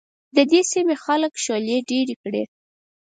د دې سيمې خلک شولې ډېرې کري.